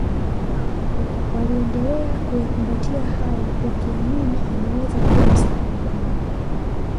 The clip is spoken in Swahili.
waliendelea kuyakumbatia hayo wakiamini yanaweza kuwa msaada kwao